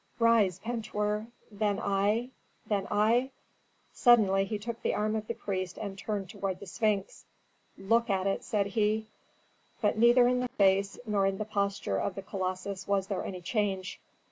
"Rise, Pentuer! Then I then I " Suddenly he took the arm of the priest and turned toward the Sphinx. "Look at it," said he. But neither in the face nor in the posture of the colossus was there any change.